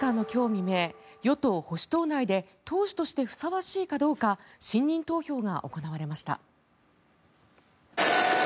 未明与党・保守党内で党首としてふさわしいかどうか信任投票が行われました。